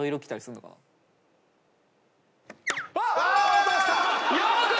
落とした！